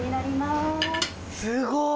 すごい！